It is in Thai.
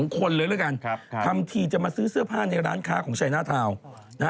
คนเลยด้วยกันทำทีจะมาซื้อเสื้อผ้าในร้านค้าของชัยหน้าทาวน์นะฮะ